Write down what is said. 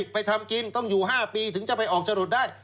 ไปทำกินต้องอยู่๕ปีถึงจะไปออกจรดได้